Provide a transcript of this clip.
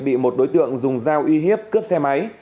bị một đối tượng dùng dao uy hiếp cướp xe máy